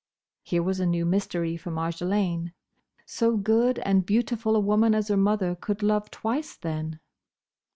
Here was a new mystery for Marjolaine. So good and beautiful a woman as her mother could love twice, then?